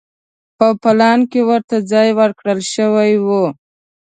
په پلان کې ورته ځای ورکړل شوی و.